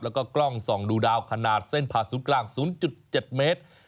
แล้วก็กล้องส่องดูดาวขนาดเส้นผ่าศูนย์กลาง๐๗เมตร